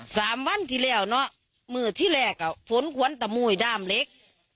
สามวันที่แล้วเนอะมือที่แรกอ่ะฝนขวนตะมุยด้ามเล็ก